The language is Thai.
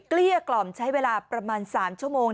เกลี้ยกล่อมใช้เวลาประมาณ๓ชั่วโมง